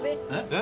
え？